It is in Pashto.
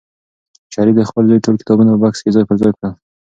شریف د خپل زوی ټول کتابونه په بکس کې ځای پر ځای کړل.